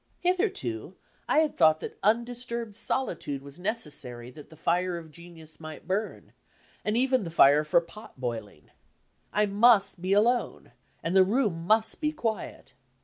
Hitherto, I had thought that undisturbed solitude was necessary that the fire of genius might bum and even the fire for pot boiling. I must be alone, and the room must be quiet.